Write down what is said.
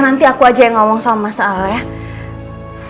nanti aku aja yang ngomong soal masalah ya